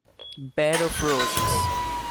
Bed of Roses